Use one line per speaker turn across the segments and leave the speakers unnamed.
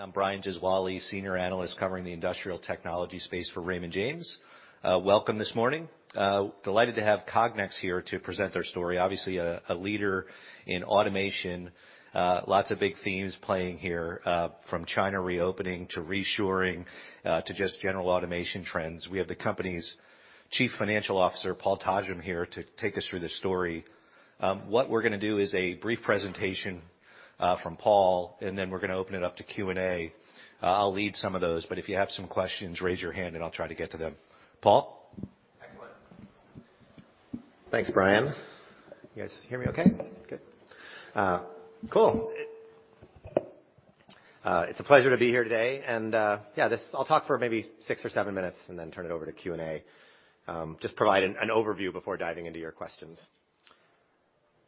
I'm Brian Gesuale, Senior Analyst covering the industrial technology space for Raymond James. Welcome this morning. Delighted to have Cognex here to present their story. Obviously, a leader in automation. Lots of big themes playing here, from China reopening to reshoring, to just general automation trends. We have the company's Chief Financial Officer, Paul Todgham, here to take us through the story. What we're gonna do is a brief presentation from Paul, and then we're gonna open it up to Q&A. I'll lead some of those, but if you have some questions, raise your hand, and I'll try to get to them. Paul?
Excellent. Thanks, Brian. You guys hear me okay? Good. Cool. It's a pleasure to be here today and, yeah, I'll talk for maybe six or seven minutes and then turn it over to Q&A. Just provide an overview before diving into your questions.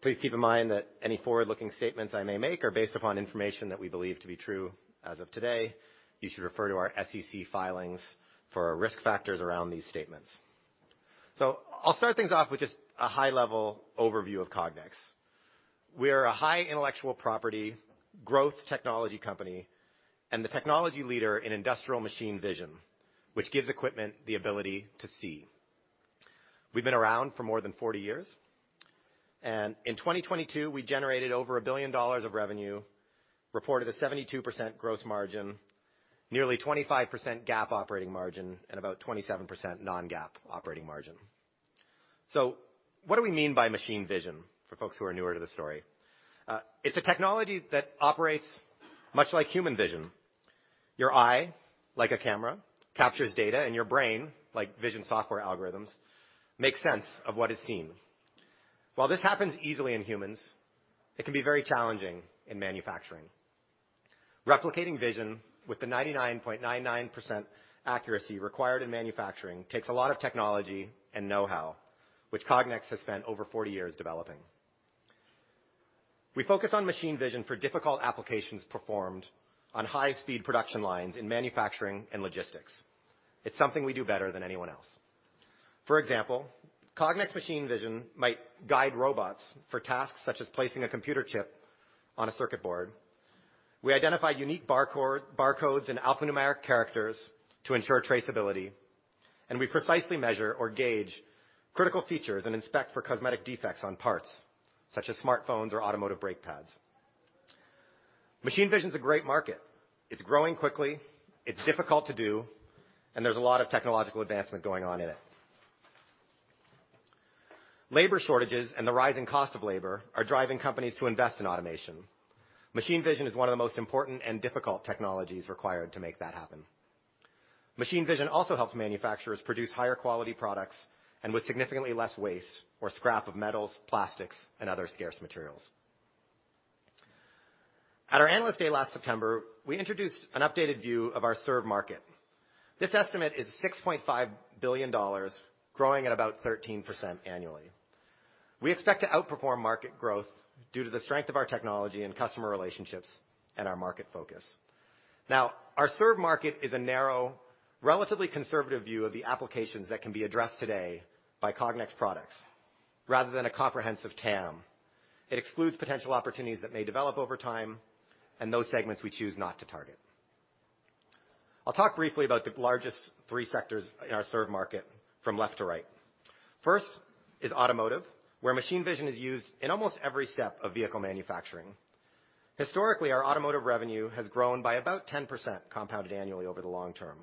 Please keep in mind that any forward-looking statements I may make are based upon information that we believe to be true as of today. You should refer to our SEC filings for our risk factors around these statements. I'll start things off with just a high level overview of Cognex. We are a high intellectual property growth technology company and the technology leader in industrial machine vision, which gives equipment the ability to see. We've been around for more than 40 years, and in 2022, we generated over $1 billion of revenue, reported a 72% gross margin, nearly 25% GAAP operating margin, and about 27% non-GAAP operating margin. What do we mean by machine vision for folks who are newer to the story? It's a technology that operates much like human vision. Your eye, like a camera, captures data, and your brain, like vision software algorithms, makes sense of what is seen. While this happens easily in humans, it can be very challenging in manufacturing. Replicating vision with the 99.99% accuracy required in manufacturing takes a lot of technology and know-how, which Cognex has spent over 40 years developing. We focus on machine vision for difficult applications performed on high speed production lines in manufacturing and logistics. It's something we do better than anyone else. For example, Cognex machine vision might guide robots for tasks such as placing a computer chip on a circuit board. We identify unique barcodes and alphanumeric characters to ensure traceability. We precisely measure or gauge critical features and inspect for cosmetic defects on parts such as smartphones or automotive brake pads. Machine vision is a great market. It's growing quickly, it's difficult to do. There's a lot of technological advancement going on in it. Labor shortages and the rising cost of labor are driving companies to invest in automation. Machine vision is one of the most important and difficult technologies required to make that happen. Machine vision also helps manufacturers produce higher quality products and with significantly less waste or scrap of metals, plastics, and other scarce materials. At our Analyst Day last September, we introduced an updated view of our served market. This estimate is $6.5 billion, growing at about 13% annually. We expect to outperform market growth due to the strength of our technology and customer relationships and our market focus. Our served market is a narrow, relatively conservative view of the applications that can be addressed today by Cognex products rather than a comprehensive TAM. It excludes potential opportunities that may develop over time and those segments we choose not to target. I'll talk briefly about the largest three sectors in our served market from left to right. First is automotive, where machine vision is used in almost every step of vehicle manufacturing. Historically, our automotive revenue has grown by about 10% compounded annually over the long term.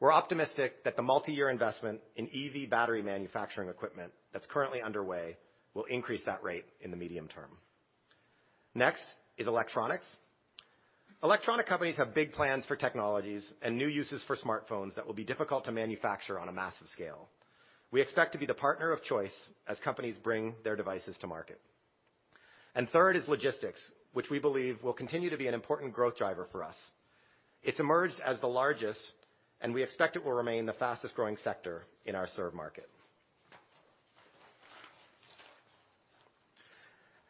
We're optimistic that the multi-year investment in EV battery manufacturing equipment that's currently underway will increase that rate in the medium term. Next is electronics. Electronic companies have big plans for technologies and new uses for smartphones that will be difficult to manufacture on a massive scale. We expect to be the partner of choice as companies bring their devices to market. Third is logistics, which we believe will continue to be an important growth driver for us. It's emerged as the largest, and we expect it will remain the fastest growing sector in our served market.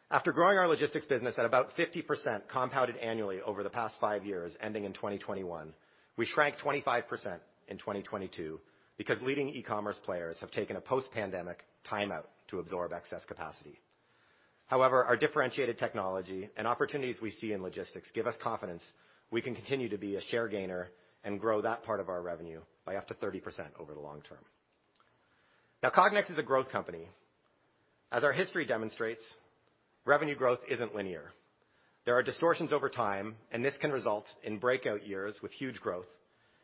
After growing our logistics business at about 50% compounded annually over the past five years ending in 2021, we shrank 25% in 2022 because leading e-commerce players have taken a post-pandemic timeout to absorb excess capacity. However, our differentiated technology and opportunities we see in logistics give us confidence we can continue to be a share gainer and grow that part of our revenue by up to 30% over the long term. Now, Cognex is a growth company. As our history demonstrates, revenue growth isn't linear. There are distortions over time, and this can result in breakout years with huge growth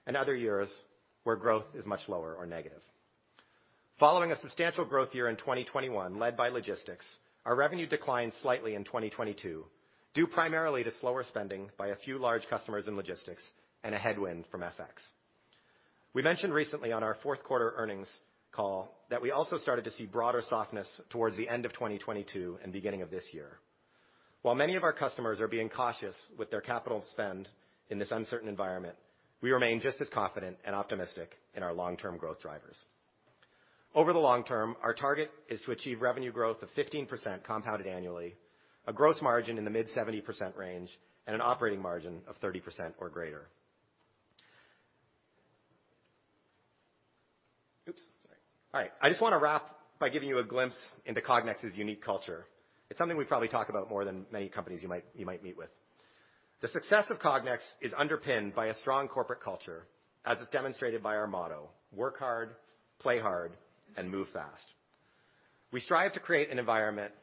and other years where growth is much lower or negative. Following a substantial growth year in 2021, led by logistics, our revenue declined slightly in 2022, due primarily to slower spending by a few large customers in logistics and a headwind from FX. We mentioned recently on our fourth quarter earnings call that we also started to see broader softness towards the end of 2022 and beginning of this year. While many of our customers are being cautious with their capital spend in this uncertain environment, we remain just as confident and optimistic in our long-term growth drivers. Over the long term, our target is to achieve revenue growth of 15% compounded annually, a gross margin in the mid-70% range, and an operating margin of 30% or greater. Oops, sorry. All right. I just want to wrap by giving you a glimpse into Cognex's unique culture. It's something we probably talk about more than many companies you might meet with. The success of Cognex is underpinned by a strong corporate culture, as is demonstrated by our motto: Work hard, play hard, and move fast. We strive to create an environment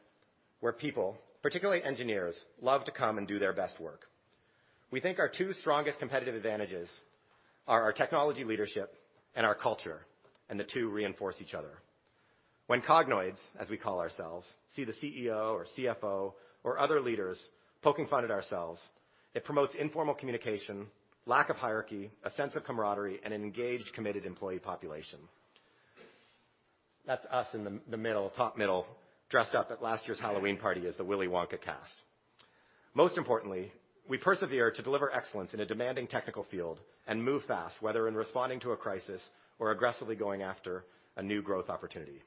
where people, particularly engineers, love to come and do their best work. We think our two strongest competitive advantages are our technology leadership and our culture, the two reinforce each other. When Cognoids, as we call ourselves, see the CEO or CFO or other leaders poking fun at ourselves, it promotes informal communication, lack of hierarchy, a sense of camaraderie, and an engaged, committed employee population. That's us in the middle, top middle, dressed up at last year's Halloween party as the Willy Wonka cast. Most importantly, we persevere to deliver excellence in a demanding technical field and move fast, whether in responding to a crisis or aggressively going after a new growth opportunity.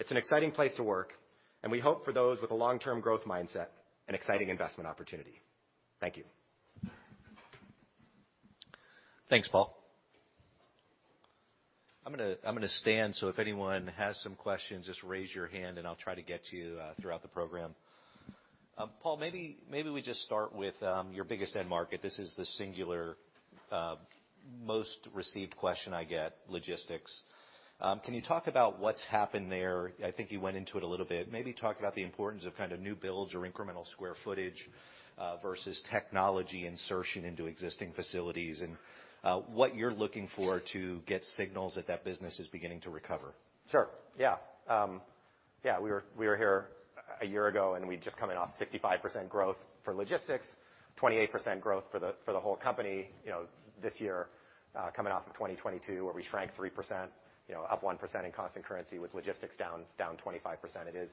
It's an exciting place to work, we hope for those with a long-term growth mindset, an exciting investment opportunity. Thank you.
Thanks, Paul. I'm gonna stand, so if anyone has some questions, just raise your hand, and I'll try to get to you throughout the program. Paul, maybe we just start with your biggest end market. This is the singular, most received question I get, logistics. Can you talk about what's happened there? I think you went into it a little bit. Maybe talk about the importance of kind of new builds or incremental square footage versus technology insertion into existing facilities and what you're looking for to get signals that that business is beginning to recover.
Sure. Yeah. We were here a year ago, we'd just come in off 65% growth for logistics, 28% growth for the whole company, you know, this year, coming off of 2022, where we shrank 3%, you know, up 1% in constant currency with logistics down 25%. It is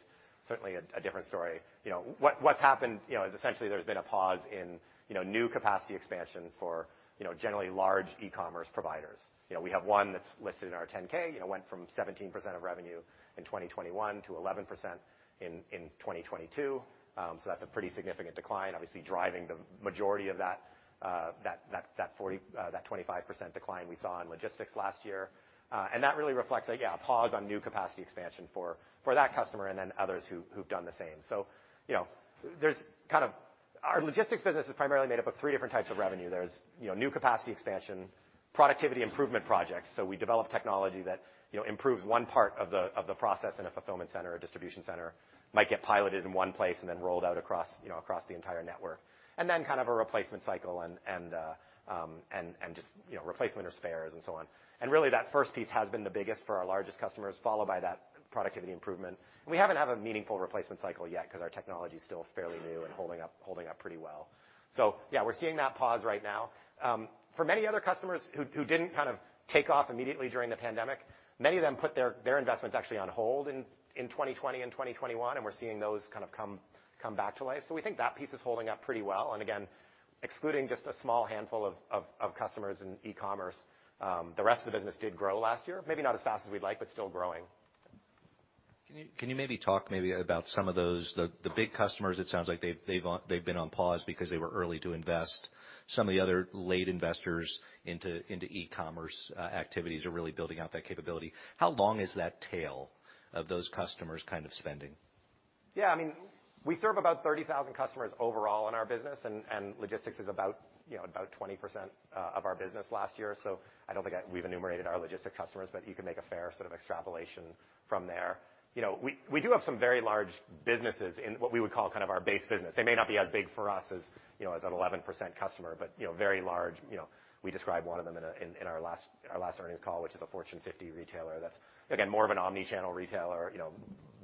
certainly a different story. You know, what's happened, you know, is essentially there's been a pause in, you know, new capacity expansion for, you know, generally large e-commerce providers. You know, we have one that's listed in our 10-K, you know, went from 17% of revenue in 2021 to 11% in 2022. That's a pretty significant decline, obviously driving the majority of that 25% decline we saw in logistics last year. That really reflects a, yeah, a pause on new capacity expansion for that customer and then others who've done the same. You know, our logistics business is primarily made up of three different types of revenue. There's, you know, new capacity expansion, productivity improvement projects. We develop technology that, you know, improves one part of the process in a fulfillment center or distribution center, might get piloted in one place and then rolled out across the entire network. Kind of a replacement cycle and just, you know, replacement of spares and so on. Really, that first piece has been the biggest for our largest customers, followed by that productivity improvement. We haven't had a meaningful replacement cycle yet because our technology is still fairly new and holding up pretty well. Yeah, we're seeing that pause right now. For many other customers who didn't kind of take off immediately during the pandemic, many of them put their investments actually on hold in 2020 and 2021, and we're seeing those kind of come back to life. We think that piece is holding up pretty well. Again, excluding just a small handful of customers in e-commerce, the rest of the business did grow last year. Maybe not as fast as we'd like, but still growing.
Can you maybe talk about some of those, the big customers, it sounds like they've been on pause because they were early to invest. Some of the other late investors into e-commerce activities are really building out that capability. How long is that tail of those customers kind of spending?
I mean, we serve about 30,000 customers overall in our business, and logistics is about, you know, about 20% of our business last year. I don't think we've enumerated our logistics customers, but you can make a fair sort of extrapolation from there. You know, we do have some very large businesses in what we would call kind of our base business. They may not be as big for us as, you know, as an 11% customer, but, you know, very large. You know, we described one of them in our last earnings call, which is a Fortune 50 retailer that's again, more of an omni-channel retailer, you know,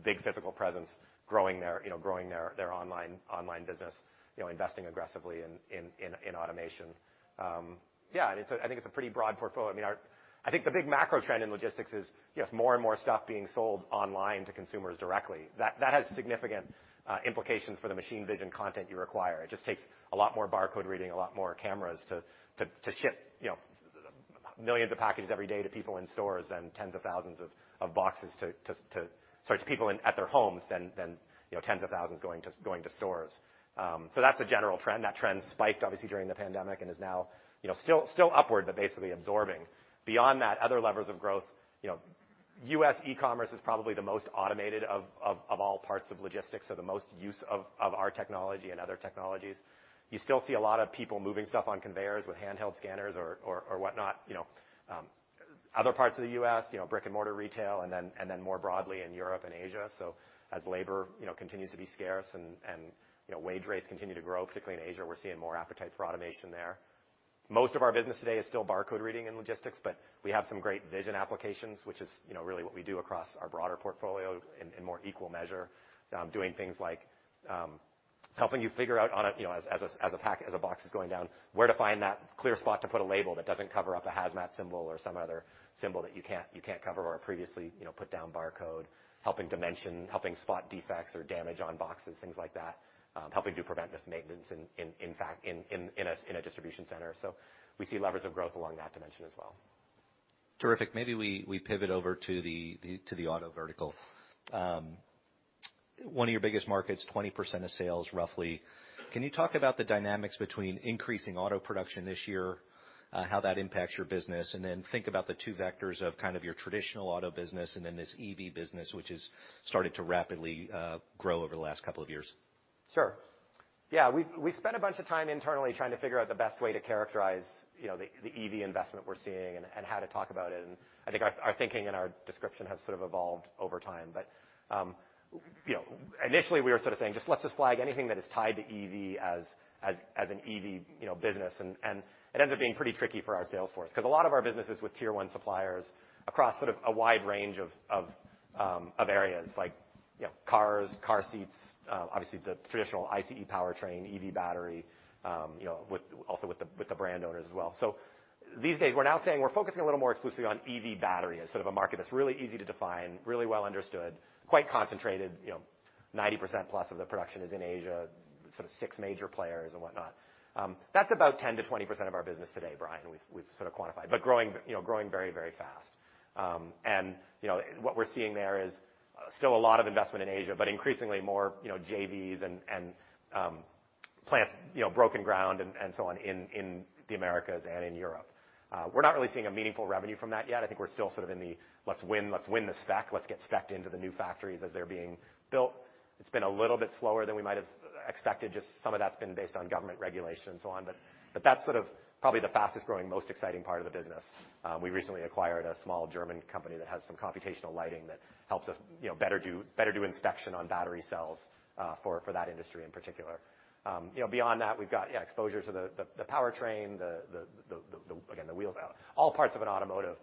big physical presence growing their, you know, growing their online business, you know, investing aggressively in automation. It's a pretty broad portfolio. I mean, I think the big macro trend in logistics is, yes, more and more stuff being sold online to consumers directly. That has significant implications for the machine vision content you require. It just takes a lot more barcode reading, a lot more cameras to ship, you know, millions of packages every day to people in stores than tens of thousands of boxes to people at their homes than, you know, tens of thousands going to stores. That's a general trend. That trend spiked obviously during the pandemic and is now, you know, still upward, but basically absorbing. Beyond that, other levers of growth, you know, U.S. e-commerce is probably the most automated of all parts of logistics, so the most use of our technology and other technologies. You still see a lot of people moving stuff on conveyors with handheld scanners or whatnot, you know, other parts of the U.S., you know, brick-and-mortar retail and then more broadly in Europe and Asia. As labor, you know, continues to be scarce and, you know, wage rates continue to grow, particularly in Asia, we're seeing more appetite for automation there. Most of our business today is still barcode reading and logistics, but we have some great vision applications, which is, you know, really what we do across our broader portfolio in more equal measure. Doing things like, helping you figure out on a, you know, as a box is going down, where to find that clear spot to put a label that doesn't cover up a hazmat symbol or some other symbol that you can't cover or previously, you know, put down barcode, helping dimension, helping spot defects or damage on boxes, things like that, helping do preventative maintenance in fact, in a distribution center. We see levers of growth along that dimension as well.
Terrific. Maybe we pivot over to the auto vertical. One of your biggest markets, 20% of sales roughly. Can you talk about the dynamics between increasing auto production this year, how that impacts your business? Then think about the two vectors of kind of your traditional auto business and then this EV business, which has started to rapidly grow over the last couple of years.
Sure. Yeah. We, we spent a bunch of time internally trying to figure out the best way to characterize, you know, the EV investment we're seeing and how to talk about it. I think our thinking and our description have sort of evolved over time. But, you know, initially, we were sort of saying, just let's just flag anything that is tied to EV as, as an EV, you know, business. It ends up being pretty tricky for our sales force, 'cause a lot of our businesses with tier one suppliers across sort of a wide range of areas like, you know, cars, car seats, obviously the traditional ICE powertrain, EV battery, you know, also with the brand owners as well. These days, we're now saying we're focusing a little more exclusively on EV battery as sort of a market that's really easy to define, really well understood, quite concentrated. You know, 90%+ of the production is in Asia, sort of six major players and whatnot. That's about 10%-20% of our business today, Brian, we've sort of quantified, but growing, you know, growing very, very fast. What we're seeing there is still a lot of investment in Asia, but increasingly more, you know, JVs and plants, you know, broken ground and so on in the Americas and in Europe. We're not really seeing a meaningful revenue from that yet. I think we're still sort of in the let's win, let's win the spec, let's get specced into the new factories as they're being built. It's been a little bit slower than we might have expected. Just some of that's been based on government regulations and so on. That's sort of probably the fastest-growing, most exciting part of the business. We recently acquired a small German company that has some computational lighting that helps us, you know, better do inspection on battery cells for that industry in particular. You know, beyond that, we've got exposure to the powertrain, again, the wheels, all parts of an automotive.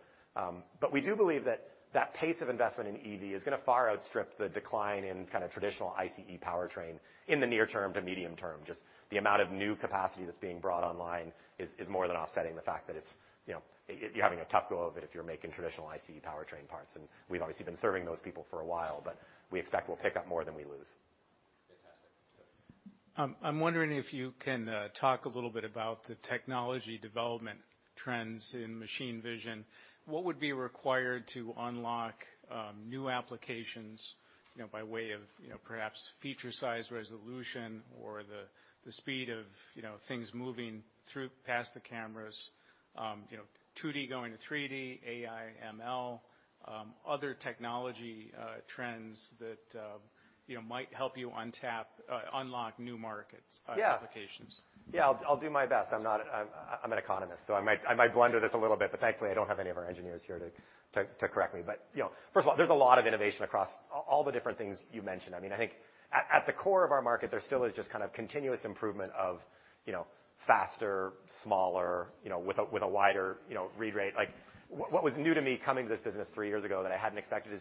We do believe that that pace of investment in EV is gonna far outstrip the decline in kind of traditional ICE powertrain in the near term to medium term. Just the amount of new capacity that's being brought online is more than offsetting the fact that it's, you know, you're having a tough go of it if you're making traditional ICE powertrain parts. We've obviously been serving those people for a while, but we expect we'll pick up more than we lose.
Fantastic. Go ahead.
I'm wondering if you can talk a little bit about the technology development trends in machine vision. What would be required to unlock new applications, you know, by way of, you know, perhaps feature size resolution or the speed of, you know, things moving through past the cameras, you know, 2D going to 3D, AI, ML, other technology trends that, you know, might help you unlock new markets, applications?
Yeah. Yeah. I'll do my best. I'm not, I'm an economist, so I might, I might blunder this a little bit, but thankfully, I don't have any of our engineers here to correct me. You know, first of all, there's a lot of innovation across all the different things you mentioned. I mean, I think at the core of our market, there still is just kind of continuous improvement of, you know, faster, smaller, you know, with a, with a wider, you know, read rate. Like, what was new to me coming to this business three years ago that I hadn't expected is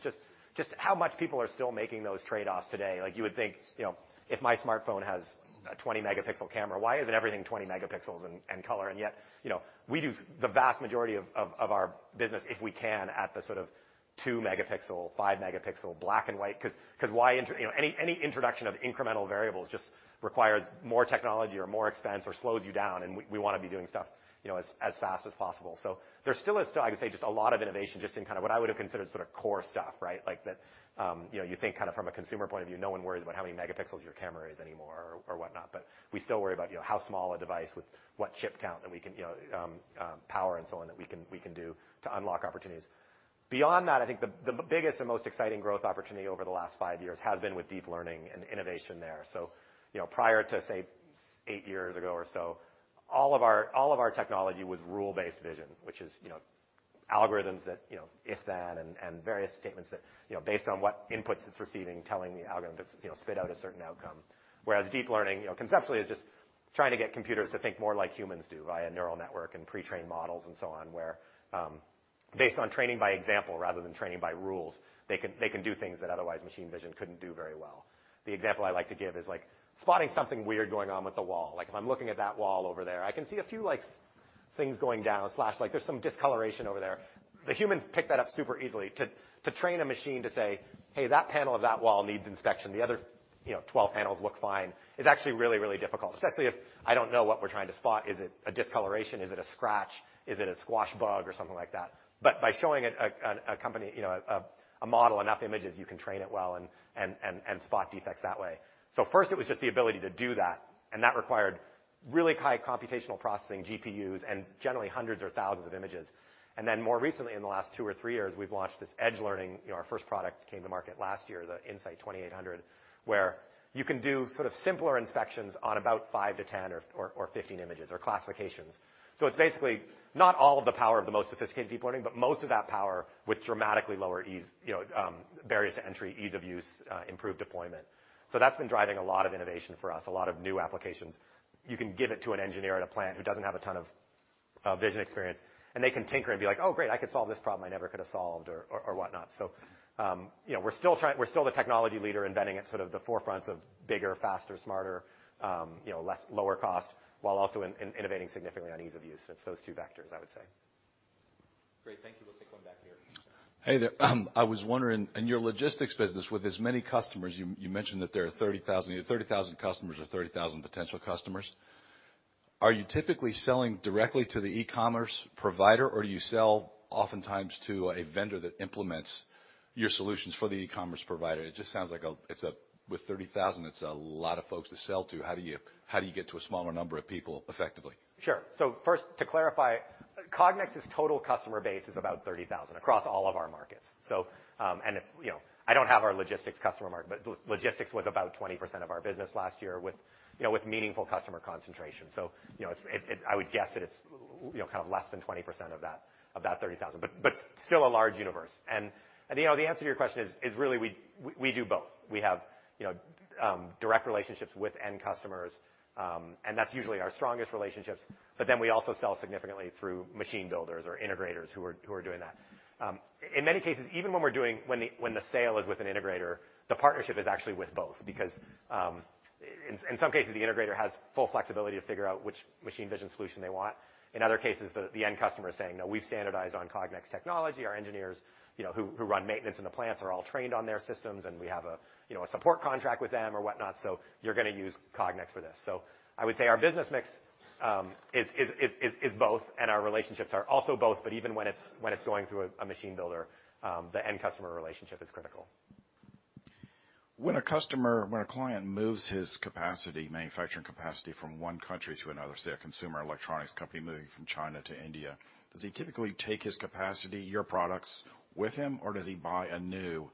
just how much people are still making those trade-offs today. Like, you would think, you know, if my smartphone has a 20-megapixel camera, why isn't everything 20 megapixels and color? Yet, you know, we do the vast majority of our business, if we can, at the sort of two megapixel, five megapixel, black and white, cause why You know, any introduction of incremental variables just requires more technology or more expense or slows you down, and we wanna be doing stuff, you know, as fast as possible. There still is, I would say, just a lot of innovation just in kind of what I would have considered sorta core stuff, right? Like that, you know, you think kind of from a consumer point of view, no one worries about how many megapixels your camera is anymore or whatnot. We still worry about, you know, how small a device with what chip count and we can, you know, power and so on that we can do to unlock opportunities. Beyond that, I think the biggest and most exciting growth opportunity over the last five years has been with deep learning and innovation there. You know, prior to, say, 8 years ago or so, all of our technology was rule-based vision, which is, you know, algorithms that, you know, if that and various statements that, you know, based on what inputs it's receiving, telling the algorithm to, you know, spit out a certain outcome. Whereas deep learning, you know, conceptually is just trying to get computers to think more like humans do via neural network and pre-trained models and so on, where based on training by example rather than training by rules, they can do things that otherwise machine vision couldn't do very well. The example I like to give is, like, spotting something weird going on with the wall. If I'm looking at that wall over there, I can see a few, like, things, like, there's some discoloration over there. The humans pick that up super easily. To train a machine to say, "Hey, that panel of that wall needs inspection. The other, you know, 12 panels look fine," is actually really difficult, especially if I don't know what we're trying to spot. Is it a discoloration? Is it a scratch? Is it a squash bug or something like that? By showing a company, you know, a model, enough images, you can train it well and spot defects that way. First it was just the ability to do that, and that required really high computational processing, GPUs, and generally hundreds or thousands of images. More recently, in the last two or three years, we've launched this edge learning. You know, our first product came to market last year, the In-Sight 2800, where you can do sort of simpler inspections on about five-10 or 15 images or classifications. It's basically not all of the power of the most sophisticated deep learning, but most of that power with dramatically lower ease, you know, barriers to entry, ease of use, improved deployment. That's been driving a lot of innovation for us, a lot of new applications. You can give it to an engineer at a plant who doesn't have a ton of vision experience, and they can tinker and be like, "Oh, great, I can solve this problem I never could have solved," or whatnot. you know, we're still the technology leader embedding at sort of the forefront of bigger, faster, smarter, you know, less, lower cost while also innovating significantly on ease of use. It's those two vectors, I would say.
Great. Thank you. We'll take one back here.
Hey there. I was wondering, in your logistics business, with as many customers, you mentioned that there are 30,000 customers or 30,000 potential customers? Are you typically selling directly to the e-commerce provider, or do you sell oftentimes to a vendor that implements your solutions for the e-commerce provider? It just sounds like with 30,000, it's a lot of folks to sell to. How do you get to a smaller number of people effectively?
Sure. First, to clarify, Cognex's total customer base is about 30,000 across all of our markets. And if, you know, I don't have our logistics customer mark, but logistics was about 20% of our business last year with, you know, with meaningful customer concentration. You know, it's I would guess that it's, you know, kind of less than 20% of that, of that 30,000, but still a large universe. And you know, the answer to your question is really we do both. We have, you know, direct relationships with end customers, and that's usually our strongest relationships. We also sell significantly through machine builders or integrators who are doing that. In many cases, even when the sale is with an integrator, the partnership is actually with both because in some cases, the integrator has full flexibility to figure out which machine vision solution they want. In other cases, the end customer is saying, "No, we standardize on Cognex technology. Our engineers, you know, who run maintenance in the plants are all trained on their systems, and we have a, you know, a support contract with them or whatnot, so you're gonna use Cognex for this." I would say our business mix is both, and our relationships are also both, but even when it's going through a machine builder, the end customer relationship is critical.
When a client moves his capacity, manufacturing capacity from one country to another, say, a consumer electronics company moving from China to India, does he typically take his capacity, your products with him, or does he buy anew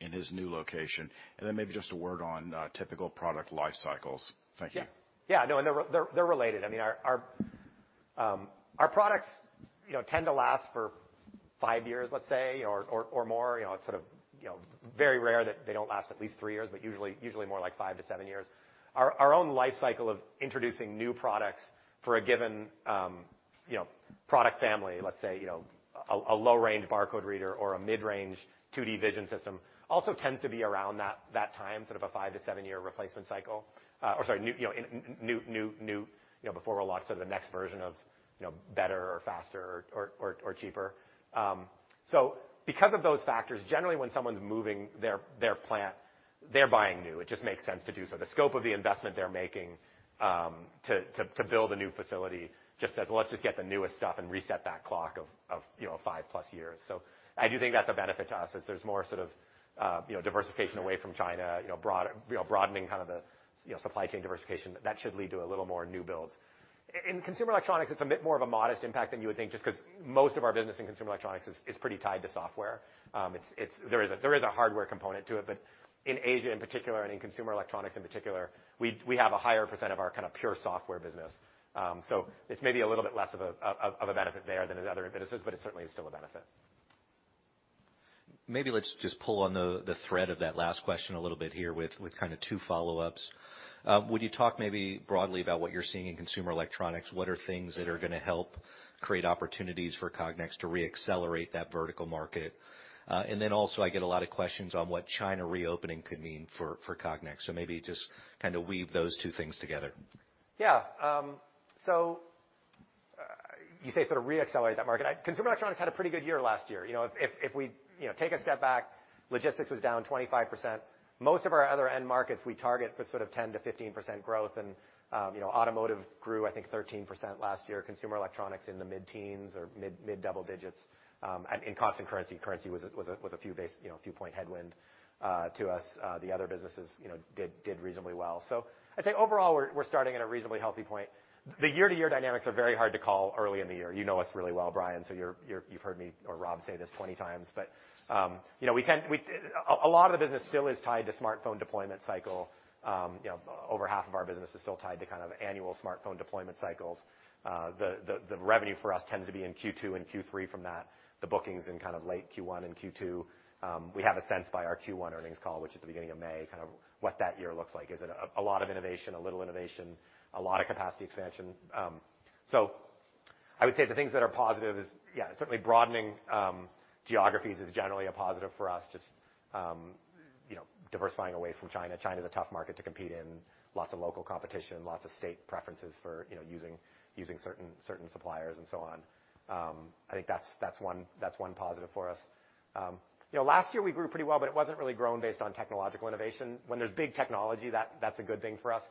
in his new location? Maybe just a word on, typical product life cycles. Thank you.
Yeah. Yeah. No, they're related. I mean, our products, you know, tend to last for five years, let's say, or more. You know, it's sort of, you know, very rare that they don't last at least three years, but usually more like five to seven years. Our own life cycle of introducing new products for a given, you know, product family, let's say, you know, a low-range barcode reader or a mid-range 2D vision system also tend to be around that time, sort of a five to seven year replacement cycle. Or sorry, new, you know, before we're launched to the next version of, you know, better or faster or cheaper. Because of those factors, generally, when someone's moving their plant, they're buying new. It just makes sense to do so. The scope of the investment they're making to build a new facility just says, "Well, let's just get the newest stuff and reset that clock of, you know, 5+ years." I do think that's a benefit to us as there's more sort of, you know, diversification away from China, you know, broadening kind of the, you know, supply chain diversification. That should lead to a little more new builds. In consumer electronics, it's a bit more of a modest impact than you would think just 'cause most of our business in consumer electronics is pretty tied to software. There is a hardware component to it, but in Asia in particular, and in consumer electronics in particular, we have a higher % of our kind of pure software business. It's maybe a little bit less of a benefit there than in other businesses, but it certainly is still a benefit.
Maybe let's just pull on the thread of that last question a little bit here with kinda two follow-ups. Would you talk maybe broadly about what you're seeing in consumer electronics? What are things that are gonna help create opportunities for Cognex to re-accelerate that vertical market? Also I get a lot of questions on what China reopening could mean for Cognex. Maybe just kind of weave those two things together.
You say sort of re-accelerate that market. Consumer electronics had a pretty good year last year. You know, if we, you know, take a step back, logistics was down 25%. Most of our other end markets we target for sort of 10%-15% growth and, you know, automotive grew, I think, 13% last year. Consumer electronics in the mid-teens or mid-double digits in constant currency. Currency was, you know, a few point headwind to us. The other businesses, you know, did reasonably well. I'd say overall, we're starting at a reasonably healthy point. The year-to-year dynamics are very hard to call early in the year. You know us really well, Brian, you've heard me or Rob say this 20 times. you know, a lot of the business still is tied to smartphone deployment cycle. you know, over half of our business is still tied to kind of annual smartphone deployment cycles. The revenue for us tends to be in Q2 and Q3 from that. The bookings in kind of late Q1 and Q2. We have a sense by our Q1 earnings call, which is the beginning of May, kind of what that year looks like. Is it a lot of innovation, a little innovation, a lot of capacity expansion? I would say the things that are positive is, yeah, certainly broadening geographies is generally a positive for us. Just, you know, diversifying away from China. China's a tough market to compete in, lots of local competition, lots of state preferences for, you know, using certain suppliers and so on. I think that's one positive for us. You know, last year we grew pretty well, but it wasn't really grown based on technological innovation. When there's big technology, that's a good thing for us.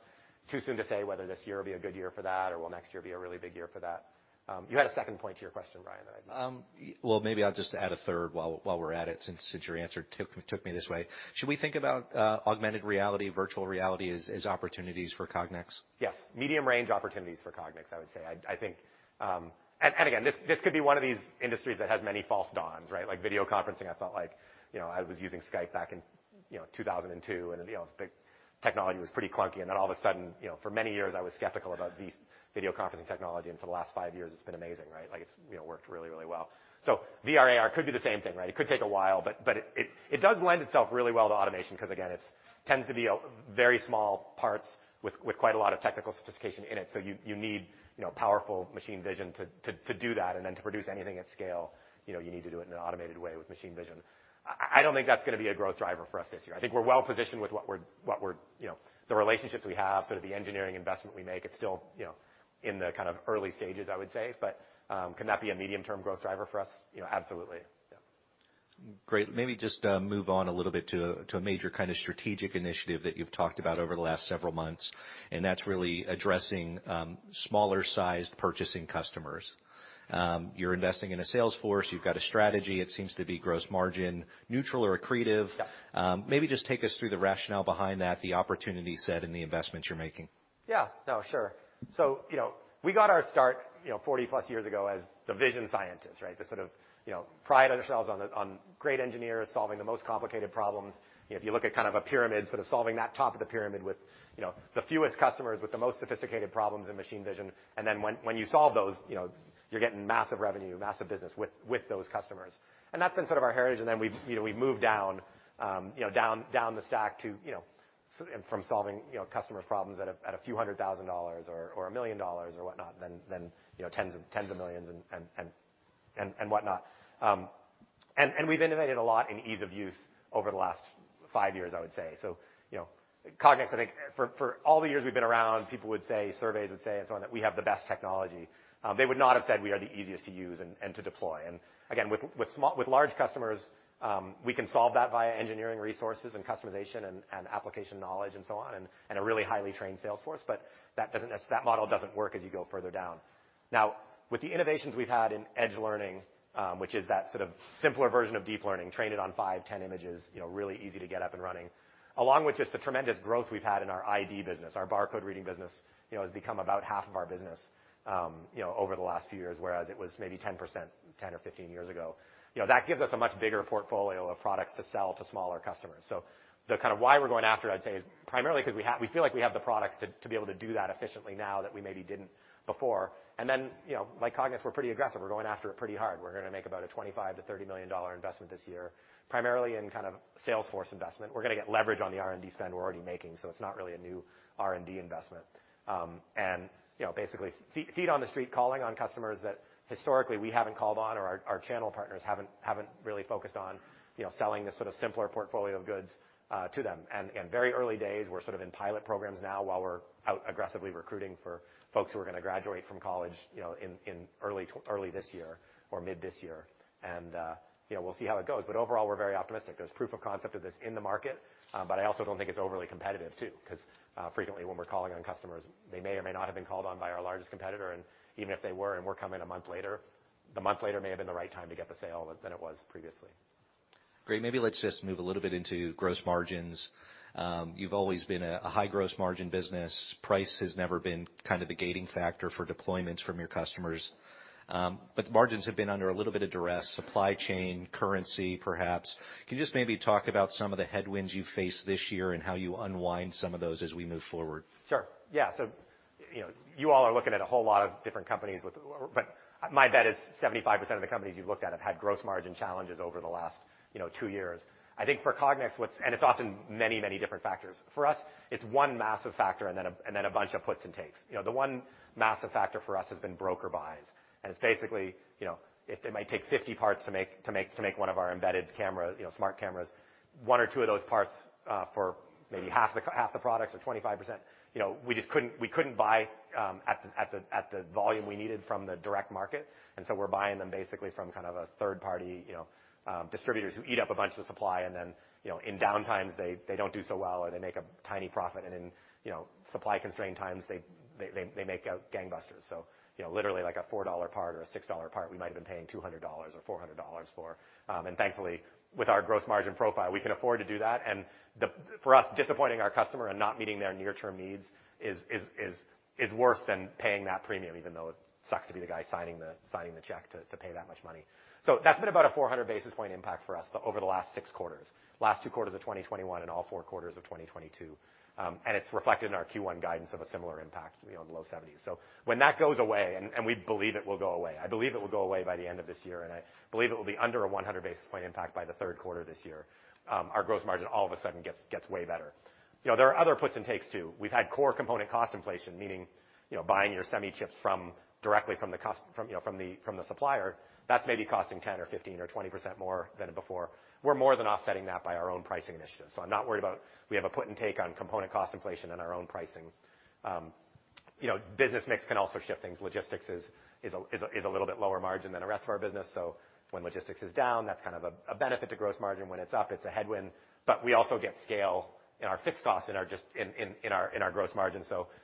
Too soon to say whether this year will be a good year for that or will next year be a really big year for that. You had a second point to your question, Brian, that I didn't.
Well maybe I'll just add a third while we're at it since your answer took me this way. Should we think about augmented reality, virtual reality as opportunities for Cognex?
Yes. Medium range opportunities for Cognex, I would say. I think, again, this could be one of these industries that has many false dawns, right? Like video conferencing, I felt like, you know, I was using Skype back in, you know, 2002, and, you know, technology was pretty clunky. Then all of a sudden, you know, for many years I was skeptical about these video conferencing technology, and for the last five years it's been amazing, right? Like it's, you know, worked really, really well. VR, AR could be the same thing, right? It could take a while, but it does lend itself really well to automation 'cause, again, it's tends to be a very small parts with quite a lot of technical sophistication in it. You need, you know, powerful machine vision to do that. Then to produce anything at scale, you know, you need to do it in an automated way with machine vision. I don't think that's gonna be a growth driver for us this year. I think we're well positioned with what we're, you know, the relationships we have, sort of the engineering investment we make. It's still, you know, in the kind of early stages I would say. Can that be a medium-term growth driver for us? You know, absolutely. Yeah.
Great. Maybe just move on a little bit to a major kind of strategic initiative that you've talked about over the last several months, and that's really addressing, smaller sized purchasing customers. You're investing in a sales force, you've got a strategy. It seems to be gross margin neutral or accretive. Maybe just take us through the rationale behind that, the opportunity set and the investments you're making.
No, sure. you know, we got our start, you know, 40-plus years ago as the vision scientists, right? The sort of, you know, pride ourselves on great engineers solving the most complicated problems. If you look at kind of a pyramid, sort of solving that top of the pyramid with, you know, the fewest customers with the most sophisticated problems in machine vision. When you solve those, you know, you're getting massive revenue, massive business with those customers. That's been sort of our heritage. Then we've, you know, we've moved down, you know, down the stack to, you know, from solving, you know, customer problems at a few hundred thousand dollars or $1 million or whatnot, then, you know, tens of millions and whatnot. We've innovated a lot in ease of use over the last five years, I would say. You know, Cognex, I think for all the years we've been around, people would say, surveys would say and so on, that we have the best technology. They would not have said we are the easiest to use and to deploy. Again, with large customers, we can solve that via engineering resources and customization and application knowledge and so on, and a really highly trained sales force. That model doesn't work as you go further down. With the innovations we've had in edge learning, which is that sort of simpler version of deep learning, train it on five, 10 images, you know, really easy to get up and running, along with just the tremendous growth we've had in our ID business. Our barcode reading business, you know, has become about half of our business, you know, over the last few years, whereas it was maybe 10% 10 or 15 years ago. That gives us a much bigger portfolio of products to sell to smaller customers. The kind of why we're going after it, I'd say, is primarily because we feel like we have the products to be able to do that efficiently now that we maybe didn't before. You know, like Cognex, we're pretty aggressive. We're going after it pretty hard. We're gonna make about a $25 million-$30 million investment this year, primarily in kind of sales force investment. We're gonna get leverage on the R&D spend we're already making, so it's not really a new R&D investment. You know, basically feet on the street calling on customers that historically we haven't called on or our channel partners haven't really focused on, you know, selling this sort of simpler portfolio of goods to them. Very early days, we're sort of in pilot programs now while we're out aggressively recruiting for folks who are gonna graduate from college, you know, in early this year or mid this year. You know, we'll see how it goes. Overall, we're very optimistic. There's proof of concept of this in the market, but I also don't think it's overly competitive, too, 'cause, frequently, when we're calling on customers, they may or may not have been called on by our largest competitor. Even if they were and we're coming a month later, the month later may have been the right time to get the sale than it was previously.
Great. Maybe let's just move a little bit into gross margins. You've always been a high gross margin business. Price has never been kind of the gating factor for deployments from your customers. The margins have been under a little bit of duress, supply chain, currency, perhaps. Can you just maybe talk about some of the headwinds you face this year and how you unwind some of those as we move forward?
Sure, yeah. You know, you all are looking at a whole lot of different companies with. My bet is 75% of the companies you've looked at have had gross margin challenges over the last, you know, two years. I think for Cognex, what's. It's often many different factors. For us, it's one massive factor and then a bunch of puts and takes. You know, the one massive factor for us has been broker buys. It's basically, you know, it might take 50 parts to make one of our embedded camera, you know, smart cameras. One or two of those parts, for maybe half the products or 25%, you know, we just couldn't buy at the volume we needed from the direct market. We're buying them basically from kind of a third party, you know, distributors who eat up a bunch of the supply, and then, you know, in down times, they don't do so well, or they make a tiny profit. In, you know, supply constrained times, they make out gangbusters. You know, literally like a $4 part or a $6 part, we might have been paying $200 or $400 for. Thankfully, with our gross margin profile, we can afford to do that. For us, disappointing our customer and not meeting their near-term needs is worse than paying that premium, even though it sucks to be the guy signing the check to pay that much money. That's been about a 400 basis point impact for us over the last six quarters, last two quarters of 2021 and all four quarters of 2022. And it's reflected in our Q1 guidance of a similar impact, you know, in the low 70s. When that goes away, and we believe it will go away, I believe it will go away by the end of this year, and I believe it will be under a 100 basis point impact by the 3rd quarter this year, our gross margin all of a sudden gets way better. You know, there are other puts and takes too. We've had core component cost inflation, meaning, you know, buying your semi-chips directly from the supplier, that's maybe costing 10% or 15% or 20% more than before. We're more than offsetting that by our own pricing initiatives. I'm not worried about. We have a put and take on component cost inflation and our own pricing. You know, business mix can also shift things. Logistics is a little bit lower margin than the rest of our business. When logistics is down, that's kind of a benefit to gross margin. When it's up, it's a headwind. We also get scale in our fixed costs in our gross margin.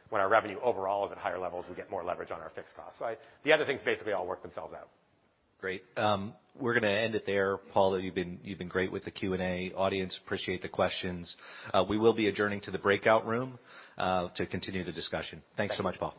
When our revenue overall is at higher levels, we get more leverage on our fixed costs. The other things basically all work themselves out.
Great. We're gonna end it there. Paul, you've been great with the Q&A. Audience, appreciate the questions. We will be adjourning to the breakout room to continue the discussion. Thanks so much, Paul.